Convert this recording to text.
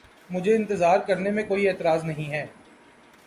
مجھے اِنتظار کرنے میں کوئی اعتراض نہیں ہے۔